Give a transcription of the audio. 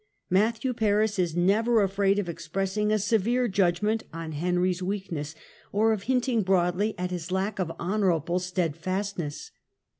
Matthew Paris is never afraid of expressing a severe judgment on Henry's weakness, or of hinting broadly at his lack of honourable stedfastness.